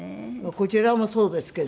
こちらもそうですけどね。